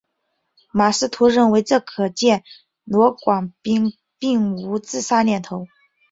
马识途认为这可见罗广斌并无自杀念头。